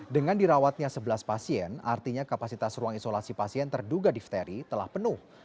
dengan dirawatnya sebelas pasien artinya kapasitas ruang isolasi pasien terduga difteri telah penuh